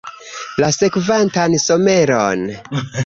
La sekvantan someron?